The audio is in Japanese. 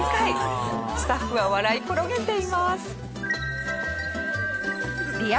スタッフは笑い転げています。